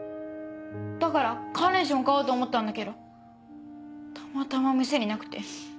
だからカーネーション買おうと思ったんだけどたまたま店になくて。